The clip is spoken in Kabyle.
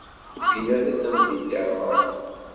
Ur ufin ara tamdint iɛemṛen.